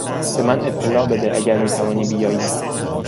به من اطلاع بده اگر می توانی بیایی.